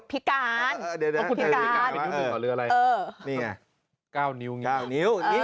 พี่การหรืออะไรนี่ไง๙นิ้วนี่๙นิ้ว